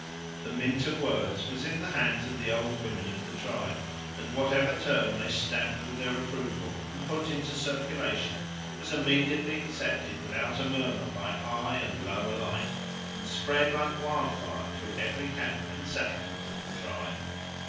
The mint of words was in the hands of the old women of the tribe, and whatever term they stamped with their approval and put in circulation was immediately accepted without a murmur by high and low alike, and spread like wildfire through every camp and settlement of the tribe.